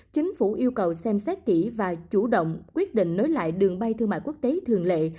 chính phủ yêu cầu xem xét kỹ và chủ động quyết định nối lại đường bay thương mại quốc tế thường lệ